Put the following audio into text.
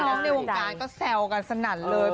มองที่น้องในวงการก็แซวกันสนั่นเลย